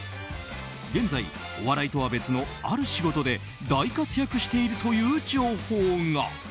現在、お笑いとは別のある仕事で大活躍しているという情報が。